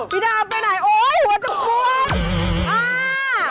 พี่ดาวไปไหนโอ๊ยหัวจะกลัวอ่า